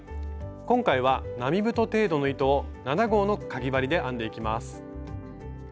今回は並太程度の糸を７号のかぎ針で編んでいきます。